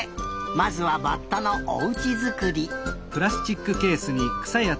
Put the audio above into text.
まずはバッタのおうちづくり。